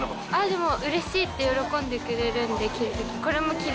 でも、うれしいって喜んでくれるんで、着るとき。